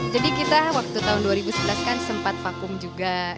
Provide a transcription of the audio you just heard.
jadi kita waktu tahun dua ribu sebelas kan sempat vakum juga